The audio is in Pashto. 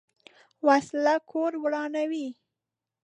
وسله کور ورانوي